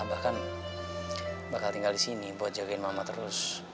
bahkan bakal tinggal di sini buat jagain mama terus